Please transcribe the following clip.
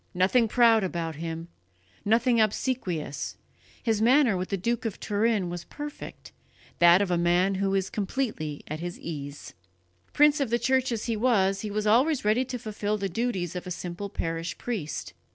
Nothing proud about him, nothing obsequious, his manner with the Duke of Turin was perfect, that of a man who is completely at his ease." Prince of the Church as he was, he was always ready to fulfil the duties of a simple parish priest.